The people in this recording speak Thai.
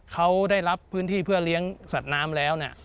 เขาได้รับพื้นที่เพื่อเลี้ยงสัตว์น้ำแล้ว